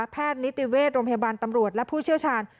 นิติเวชโรงพยาบาลตำรวจและผู้เชี่ยวชาญ